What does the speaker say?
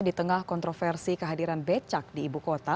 di tengah kontroversi kehadiran becak di ibu kota